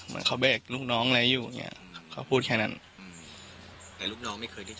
ฟังเสียงลูกจ้างรัฐตรเนธค่ะ